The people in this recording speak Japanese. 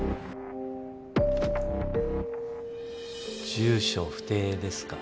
住所不定ですか。